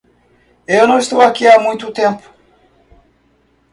Eu não estou aqui há muito tempo!